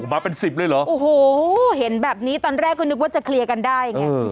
มาเป็นสิบเลยเหรอโอ้โหเห็นแบบนี้ตอนแรกก็นึกว่าจะเคลียร์กันได้ไง